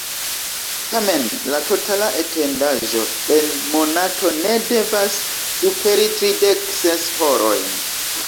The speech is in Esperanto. Tamen la totala etendaĵo en monato ne devas superi tridek ses horojn.